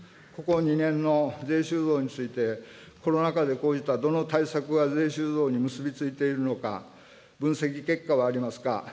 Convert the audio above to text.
ここ２年の税収増について、コロナ禍で生じたどの対策が税収増に結び付いているのか、分析結果はありますか。